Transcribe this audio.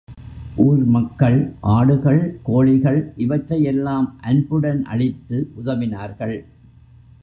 ஊர் மக்கள் ஆடுகள், கோழிகள் இவற்றையெல்லாம் அன்புடன் அளித்து உதவினார்கள்.